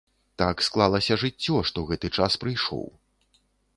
Так склалася жыццё, што гэты час прыйшоў.